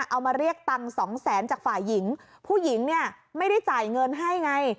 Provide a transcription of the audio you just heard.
เอามาเรียกตังค์สองแสนจากฝ่ายหญิงผู้หญิงเนี่ยไม่ได้จ่ายเงินให้ไง